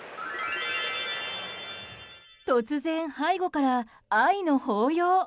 突然、背後から愛の抱擁。